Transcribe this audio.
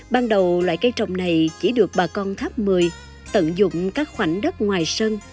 ban đầu loại cây trồng này chỉ được bà con tháp mười tận dụng các khoảnh đất ngoài sân